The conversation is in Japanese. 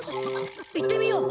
行ってみよう。